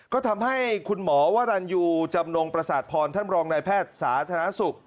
ก็ทำให้คุณหมอวรรณยูจำนงประสาทพรท่านรองนายแพทย์สาธารณสุข